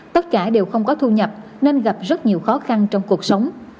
tất cả đều không có thu nhập nên gặp rất nhiều khó khăn trong cuộc sống